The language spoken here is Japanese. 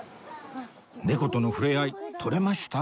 猫との触れ合い撮れました？